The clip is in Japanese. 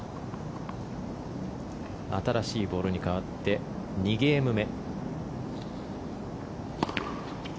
新しいボールに変わって２ゲーム目。